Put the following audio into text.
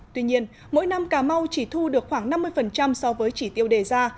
tuy nhiên mỗi năm cà mau chỉ thu được khoảng năm mươi so với chỉ tiêu đề ra